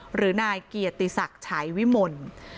หรือนายเกียรติศักดิ์ฉายวิมล